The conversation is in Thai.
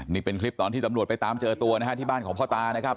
นี่เป็นคลิปตอนที่ตำรวจไปตามเจอตัวนะฮะที่บ้านของพ่อตานะครับ